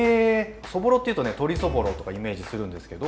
そぼろっていうとね鶏そぼろとかイメージするんですけど。